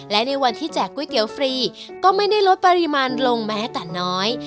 และในวันที่แจกก๋วยเตี๋ยวฟรีก็ไม่ได้ลดปริมาณลงแม้แต่น้อย